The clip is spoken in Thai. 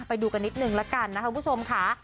ไปดูกันนิดนึงละกันนะคะคุณผู้ชมค่ะ